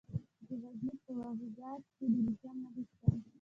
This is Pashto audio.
د غزني په واغظ کې د لیتیم نښې شته.